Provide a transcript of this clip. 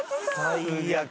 最悪。